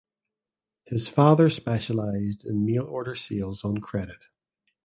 His father specialized in mail order sales on credit.